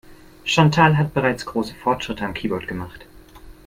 Chantal hat bereits große Fortschritte am Keyboard gemacht.